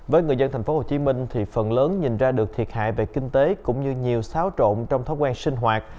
với người dân tp hcm phần lớn nhìn ra được thiệt hại về kinh tế cũng như nhiều xáo trộn trong thói quen sinh hoạt